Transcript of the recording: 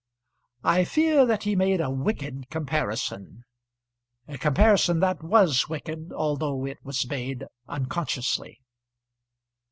I fear that he made a wicked comparison a comparison that was wicked although it was made unconsciously.